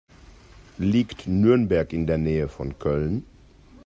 Liegt Nürnberg in der Nähe von Köln?